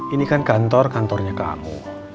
ini kan kantor kantornya kamu